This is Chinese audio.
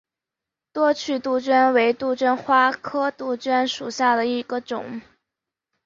多趣杜鹃为杜鹃花科杜鹃属下的一个种。